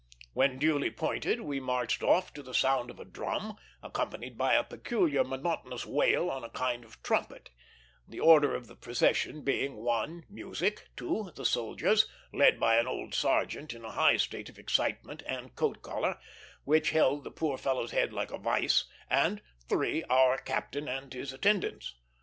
When duly pointed, we marched off to the sound of a drum, accompanied by a peculiar monotonous wail on a kind of trumpet; the order of the procession being, 1, music; 2, the soldiers, led by an old sergeant in a high state of excitement and coat collar, which held the poor fellow's head like a vise; and, 3, our captain and his attendants.